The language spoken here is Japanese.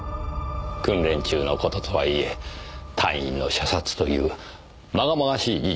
訓練中の事とはいえ隊員の射殺という禍々しい事実を公にはしたくない。